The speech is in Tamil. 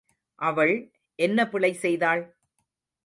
அவள் என்ன பிழை செய்தாள்?